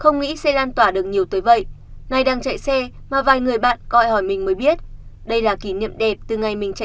nam tài xế bộc bạch